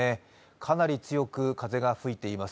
かなり強く風が吹いています。